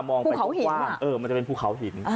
มองไปกว้างมันจะเป็นภูเขาหิน